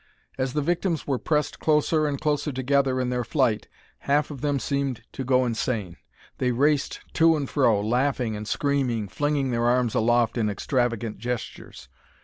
As the victims were pressed closer and closer together in their flight, half of them seemed to go insane. They raced to and fro, laughing and screaming, flinging their arms aloft in extravagant gestures.